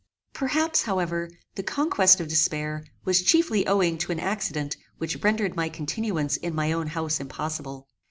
Perhaps, however, the conquest of despair was chiefly owing to an accident which rendered my continuance in my own house impossible.